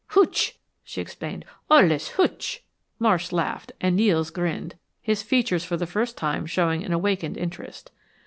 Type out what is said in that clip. "Hootch," she explained. "Ole's hootch." Marsh laughed, and Nels grinned, his features for the first time showing an awakened interest.